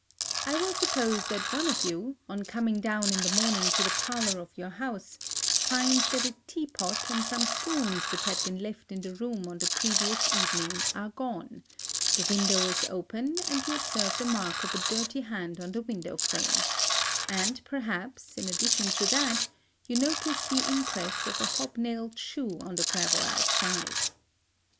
I will suppose that one of you, on coming down in the morning to the parlor of your house, finds that a tea pot and some spoons which had been left in the room on the previous evening are gone, the window is open, and you observe the mark of a dirty hand on the window frame, and perhaps, in addition to that, you notice the impress of a hob nailed shoe on the gravel outside.